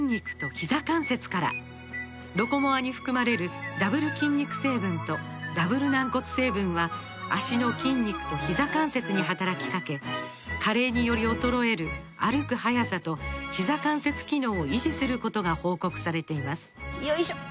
「ロコモア」に含まれるダブル筋肉成分とダブル軟骨成分は脚の筋肉とひざ関節に働きかけ加齢により衰える歩く速さとひざ関節機能を維持することが報告されていますよいしょっ！